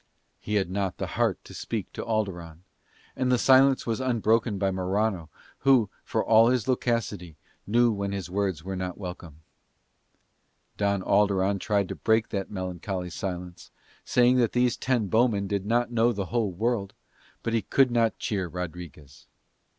He had not the heart to speak to Alderon, and the silence was unbroken by Morano who, for all his loquacity, knew when his words were not welcome. Don Alderon tried to break that melancholy silence, saying that these ten bowmen did not know the whole world; but he could not cheer Rodriguez.